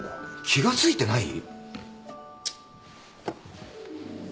気が付いてない？